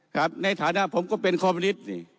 ครับในฐานะผมก็เป็นคอมมินิตนี่